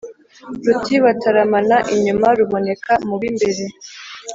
Ruti bataramana inyuma, ruboneka mu b’imbere,